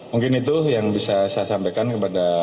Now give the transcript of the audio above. mungkin itu yang bisa saya sampaikan kepada